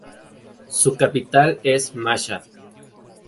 Su capital es Mashhad.